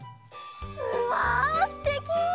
うわすてき！